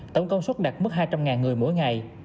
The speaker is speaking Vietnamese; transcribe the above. tổng công suất đạt mức hai trăm linh người mỗi ngày